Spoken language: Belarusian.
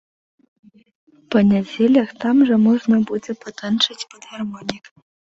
Па нядзелях там жа можна будзе патанчыць пад гармонік.